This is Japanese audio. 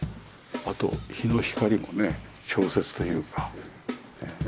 あと日の光もね調節というか。